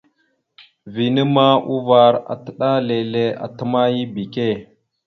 Vina ma uvar atəɗálele atəmáya ebeke.